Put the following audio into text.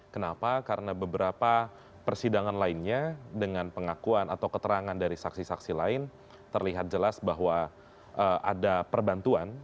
kenapa karena beberapa persidangan lainnya dengan pengakuan atau keterangan dari saksi saksi lain terlihat jelas bahwa ada perbantuan